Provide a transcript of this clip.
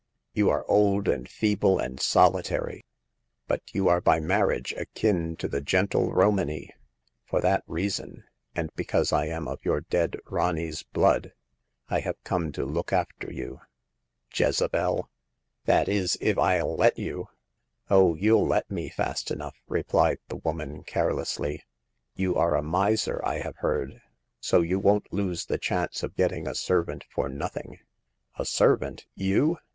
You are old and feeble and soli tary ; but you are by marriage akin to the gentle Romany. For that reason, and because I am of your dead rani's blood, I have come to look after you." '" Jezebel J That is, if Til let you \" 1 8 Hagar of the Pawn Shop. " Oh, you'll let me fast enough," replied the woman, carelessly. "You are a miser, I have heard ; so you won't lose the chance of getting a servant for nothing." A servant ! You